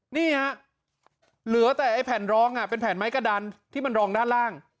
นี่ฮะเหลือแต่ไอ้แผ่นรองเป็นแผ่นไม้กระดันที่มันรองด้านล่าง